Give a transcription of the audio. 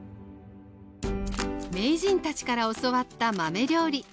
名人たちから教わった豆料理。